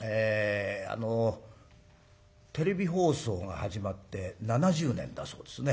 あのテレビ放送が始まって７０年だそうですね。